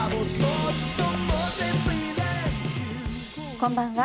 こんばんは。